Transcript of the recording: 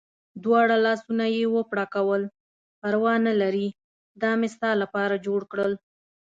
دواړه لاسونه یې و پړکول، پروا نه لرې دا مې ستا لپاره جوړ کړل.